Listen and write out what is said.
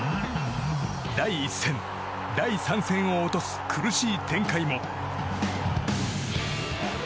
第１戦、第３戦を落とす苦しい展開も。